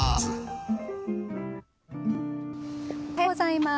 おはようございます。